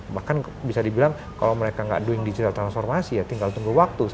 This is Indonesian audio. bahkan bisa dibilang kalau mereka nggak doing digital transformasi ya tinggal tunggu waktu